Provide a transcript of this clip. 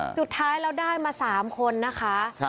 สุดท้ายแล้วได้มา๓คนนะคะ